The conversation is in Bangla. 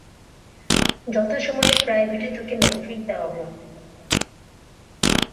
যথাসময়ে প্রাইভেটে তোকে দিয়ে ম্যাট্রিক দেওয়াব।